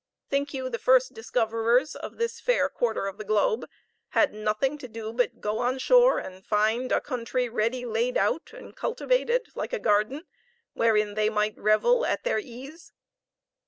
Think you the first discoverers of this fair quarter of the globe had nothing to do but go on shore and find a country ready laid out and cultivated like a garden, wherein they might revel at their ease?